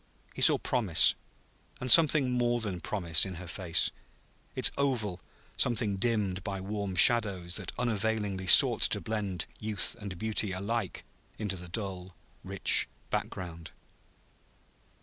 He saw promise, and something more than promise, in her face, its oval something dimmed by warm shadows that unavailingly sought to blend youth and beauty alike into the dull, rich background.